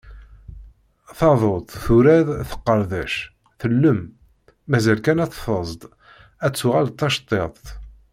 Taduḍt, turad; teqqerdec; tellem. Mazal kan ad tt-teẓḍ, ad tuɣal d tacettiḍt.